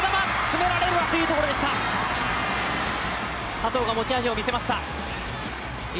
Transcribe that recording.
佐藤が持ち味を見せました。